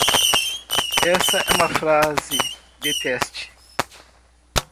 Essa é uma frase de teste